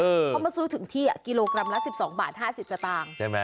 เขามาซื้อถึงที่กิโลกรัมละ๑๒บาท๕๐สตางค์ใช่ไหม